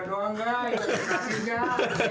gepal gue doang nggak ini diperhatikan